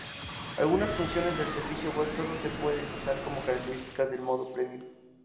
Algunas funciones del servicio web sólo se pueden usar como características del modo premium.